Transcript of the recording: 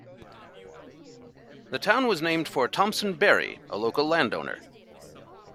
The town was named for Thompson Berry, a local landowner.